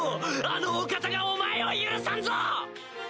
あのお方がお前を許さんぞ！